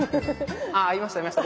あいましたいました。